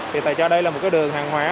thì tài xế cho đây là một cái đường hàng hóa